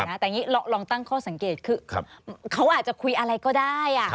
แต่อย่างนี้ลองตั้งข้อสังเกตคือเขาอาจจะคุยอะไรก็ได้